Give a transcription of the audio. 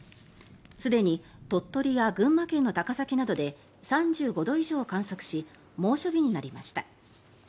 すでに鳥取や群馬県の高崎などで３５度以上を観測し猛暑日になりました。